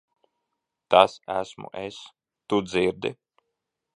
Tas esmu es. Tu dzirdi?